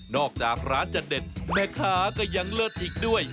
จากร้านจะเด็ดแม่ค้าก็ยังเลิศอีกด้วย